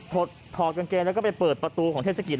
ถอดกางเกงแล้วก็ไปเปิดประตูของเทศกิจ